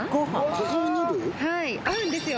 はい合うんですよ